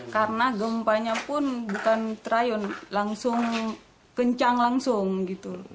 karena gempanya pun bukan terayun langsung kencang langsung